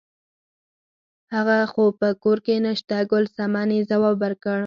هغه خو په کور کې نشته ګل صمنې ځواب ورکړ.